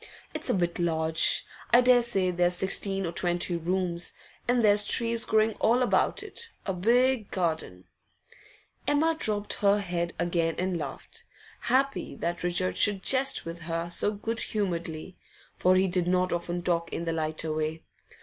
It's a bit large; I daresay there's sixteen or twenty rooms. And there's trees growing all about it; a big garden ' Emma dropped her head again and laughed, happy that Richard should jest with her so good humouredly; for he did not often talk in the lighter way.